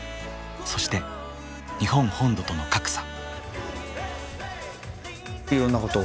そして日本本土との格差。